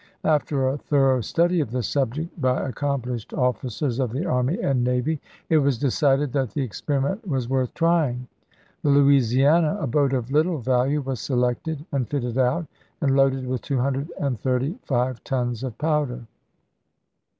After a thorough study of the subject by accom FOBT FISHEK AND WILMINGTON 59 plished officers of the army and navy it was de chap. in. cided that the experiment was worth trying; the Louisiana, a boat of little value, was selected and fitted out, and loaded with two hundred and thirty five tons of powder.